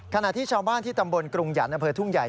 ขณะที่ชาวบ้านที่ตำบลกรุงหยันต์อำเภอทุ่งใหญ่